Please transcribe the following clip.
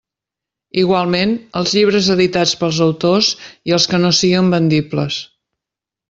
Igualment, els llibres editats pels autors i els que no siguen vendibles.